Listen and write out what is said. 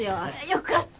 よかった。